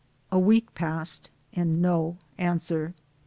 A week passed and no an swer.